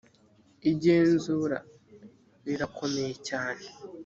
igenzura rirakomeye cyane.